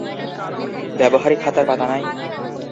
ব্যবহারিক খাতার পাতা নাই?